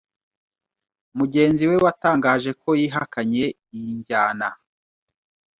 mugenzi we watangaje ko yihakanye iyi njyana